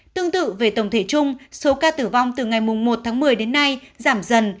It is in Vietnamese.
tương tự về tổng thể chung số ca tử vong từ ngày một tháng một mươi đến nay giảm dần